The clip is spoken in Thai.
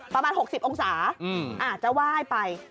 ประมาณ๖๐องศาอาจจะไหว้ไป